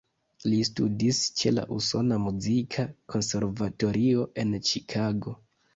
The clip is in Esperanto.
Li studis ĉe la Usona Muzika Konservatorio en Ĉikago.